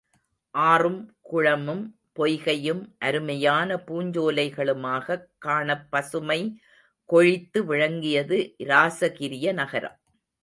ஆறும் குளமும் பொய்கையும் அருமையான பூஞ்சோலைகளுமாகக் காணப் பசுமை கொழித்து விளங்கியது இராசகிரிய நகரம்.